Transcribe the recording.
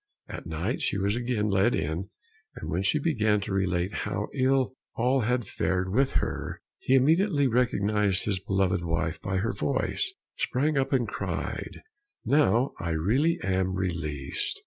At night, she was again led in, and when she began to relate how ill all had fared with her, he immediately recognized his beloved wife by her voice, sprang up and cried, "Now I really am released!